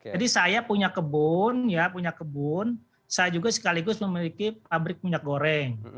jadi saya punya kebun ya punya kebun saya juga sekaligus memiliki pabrik minyak goreng